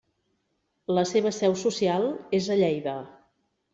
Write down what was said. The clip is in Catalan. La seva seu social és a Lleida.